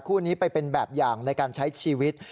คู่นี้ไปเป็นแบบอย่างในการใช้ชีวิต